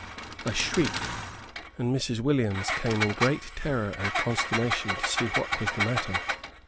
I shrieked, and Mrs. Williams came in great terror and consternation, to see what was the matter.